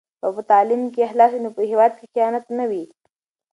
که په تعلیم کې اخلاص وي نو په هېواد کې خیانت نه وي.